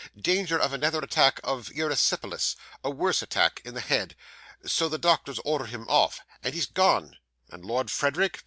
'Danger of another attack of erysipelas a worse attack in the head. So the doctors ordered him off. And he's gone.' 'And Lord Frederick